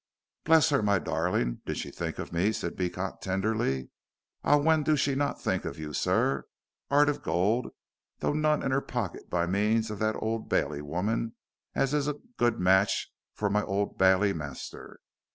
"Bless her, my darling. Did she think of me," said Beecot, tenderly. "Ah, when do she not think of you, sir? 'Eart of gold, though none in her pocket by means of that Old Bailey woman as is a good match fur my Old Bailey master.